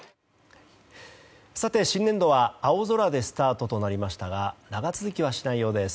新年度は青空でスタートとなりましたが長続きはしないようです。